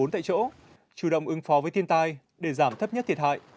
bốn tại chỗ chủ động ứng phó với thiên tai để giảm thấp nhất thiệt hại